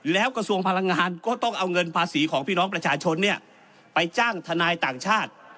แล้วกระทรวงพลังงานก็ต้องเอาเงินภาษีของพี่น้องประชาชนไปจ้างทนายต่างชาติ